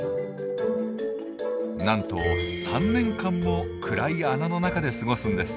なんと３年間も暗い穴の中で過ごすんです。